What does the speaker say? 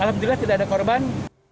alhamdulillah tidak ada korban